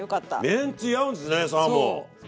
めんつゆ合うんですねサーモン。